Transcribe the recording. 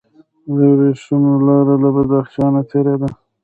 د ورېښمو لاره له بدخشان تیریده